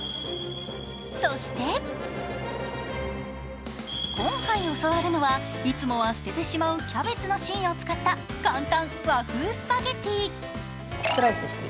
そして、今回教わるのはいつもは捨ててしまうキャベツの芯を使った簡単和風スパゲッティ。